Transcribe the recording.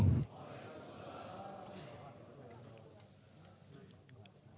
waalaikumsalam warahmatullahi wabarakatuh